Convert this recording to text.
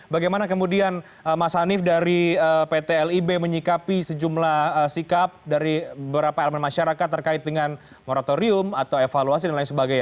bagaimana kemudian mas hanif dari pt lib menyikapi sejumlah sikap dari beberapa elemen masyarakat terkait dengan moratorium atau evaluasi dan lain sebagainya